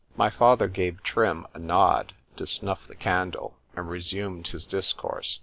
My father gave Trim a nod, to snuff the candle, and resumed his discourse.